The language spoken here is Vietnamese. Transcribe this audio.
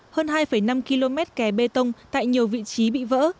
hơn hai năm km kè bê tông tại nhiều vị trí bị vỡ